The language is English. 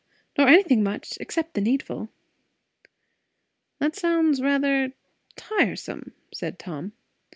Nor anything much, except the needful." "That sounds rather tiresome," said Tom.